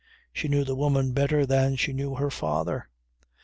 She knew the woman better than she knew her father.